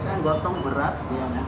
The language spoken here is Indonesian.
saya yang gotong berat ya kan